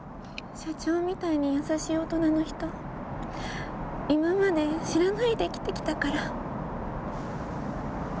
社長みたいに優しい大人の人、今まで知らないで生きてきたから。